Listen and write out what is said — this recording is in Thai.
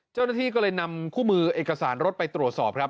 เจ้าหน้าที่ก็เลยนำคู่มือเอกสารรถไปตรวจสอบครับ